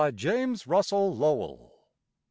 James Russell Lowell 805.